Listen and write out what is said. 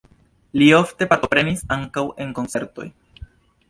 Li ofte partoprenis ankaŭ en koncertoj.